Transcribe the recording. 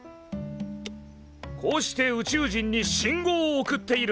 こうして宇宙人に信号を送っているのだ！